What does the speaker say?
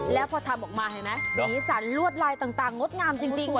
แล้วพอทำออกมาเห็นไหมสีสันลวดลายต่างงดงามจริง